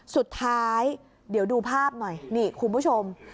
สุดท้ายเดี๋ยวดูภาพหน่อยนี่คุณผู้ชม